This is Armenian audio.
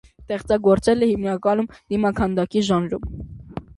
Ստեղծագործել է հիմնականում դիմաքանդակի ժանրում։